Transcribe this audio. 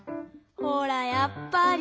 ほらやっぱり。